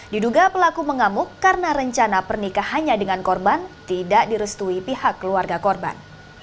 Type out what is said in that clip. diduga pelaku mengamuk karena rencana pernikahannya dengan korban tidak direstui pihak keluarga korban